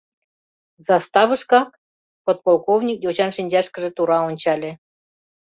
Заставышкак? — подполковник йочан шинчашкыже тура ончале.